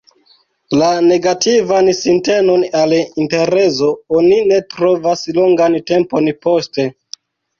La negativan sintenon al interezo oni retrovas longan tempon poste.